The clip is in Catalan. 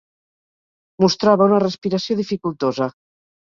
Mostrava una respiració dificultosa.